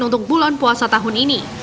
untuk bulan puasa tahun ini